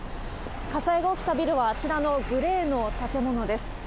火災が起きたビルはあちらのグレーの建物です。